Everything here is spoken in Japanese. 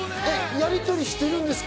やりとりしてるんですか？